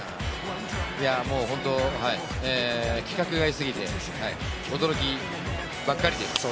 いや本当、規格外すぎて驚きばっかりです。